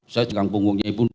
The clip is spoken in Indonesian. saya jenggang punggungnya ibu